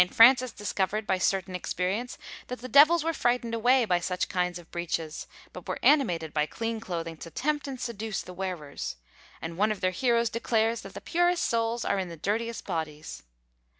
Francis discovered, by certain experience, that the devils were frightened away by such kinds of breeches, but were animated by clean clothing to tempt and seduce the wearers; and one of their heroes declares that the purest souls are in the dirtiest bodies.